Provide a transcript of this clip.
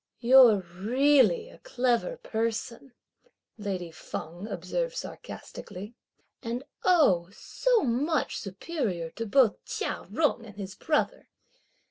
"You're really a clever person," lady Feng observed sarcastically. "And oh so much superior to both Chia Jung and his brother!